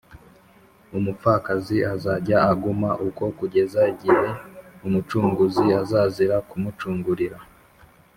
Umupfakazi azajya aguma uko kugeza igihe umucunguzi azazira kumucungurira